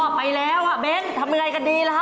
ชอบไปแล้วเบนทำอะไรกันดีแล้ว